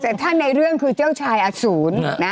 แต่ถ้าในเรื่องคือเจ้าชายอสูรนะ